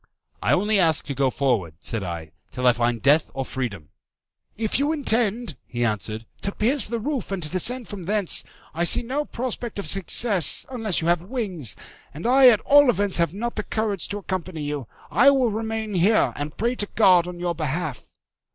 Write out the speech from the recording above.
"I only ask to go forward," said I, "till I find death or freedom." "If you intend," he answered, "to pierce the roof and to descend from thence, I see no prospect of success, unless you have wings; and I at all events have not the courage to accompany you. I will remain here, and pray to God on your behalf."